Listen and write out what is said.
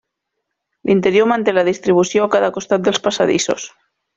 L'interior manté la distribució a cada costat dels passadissos.